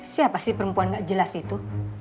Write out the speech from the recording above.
siapa sih perempuan gak jelas itu